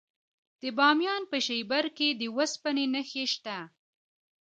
د بامیان په شیبر کې د وسپنې نښې شته.